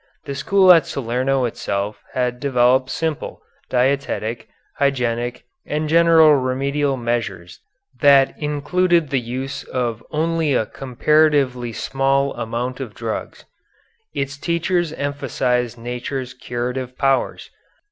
The school of Salerno itself had developed simple, dietetic, hygienic, and general remedial measures that included the use of only a comparatively small amount of drugs. Its teachers emphasized nature's curative powers.